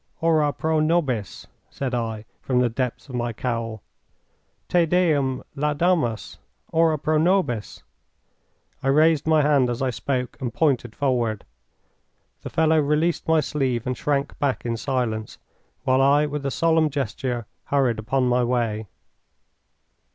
"Ora pro nobis," said I, from the depths of my cowl. "Te Deum laudamus. Ora pro nobis." I raised my hand as I spoke and pointed forward. The fellow released my sleeve and shrank back in silence, while I, with a solemn gesture, hurried upon my way.